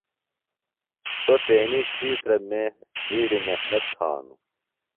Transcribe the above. سوۡ تیݨی ڇِھیترہ مے بیڈیۡ محنت تھانوۡ۔